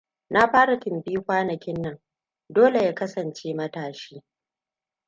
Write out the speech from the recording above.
Na fara tumbi kwanakin nan. Dole ya kasance matashi...